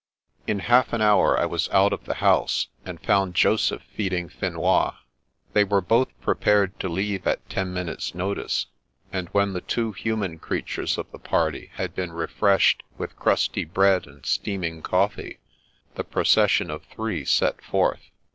In half an hour I was out of the house, and found Joseph feeding Finois. They were both prepared to leave at ten minutes' notice, and when the two human creatures of the party had been refreshed with crusty bread and steaming coffee, the proces sion of three set forth.